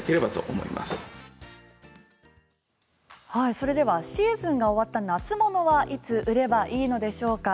それではシーズンが終わった夏物はいつ売ればいいのでしょうか。